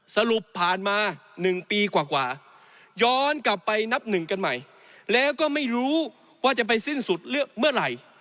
สรุปผ่านมา๑ปีกว่าย้อนกลับไปนับหนึ่งกันใหม่แล้วก็ไม่รู้ว่าจะไปสิ้นสุดเลือกเมื่อไหร่